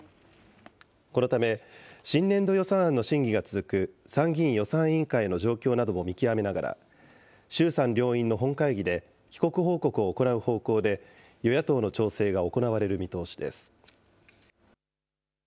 このため、新年度予算案の審議が続く参議院予算委員会の状況なども見極めながら、衆参両院の本会議で帰国報告を行う方向で、与野党の調整が行われる見通しです。